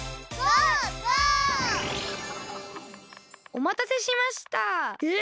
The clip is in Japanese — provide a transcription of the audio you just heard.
おまたせしましたえ！？